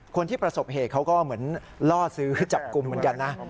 คนที่ประสบเหตุเขาก็เหมือนล่อซื้อจับกลุ่มเหมือนกันนะ